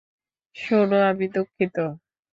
শোন, আমি দুঃখিত।